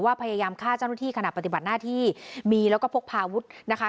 พยายามฆ่าเจ้าหน้าที่ขณะปฏิบัติหน้าที่มีแล้วก็พกพาวุฒินะคะ